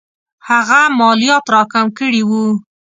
هغه مالیات را کم کړي وو.